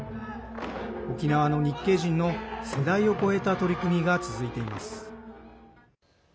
沖縄の日系人の、世代を超えた取り組みが続いています。